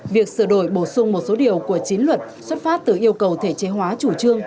việc sửa đổi bổ sung một số điều của chính luật xuất phát từ yêu cầu thể chế hóa chủ trương